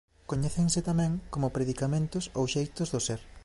Coñécense tamén como predicamentos ou xeitos do ser.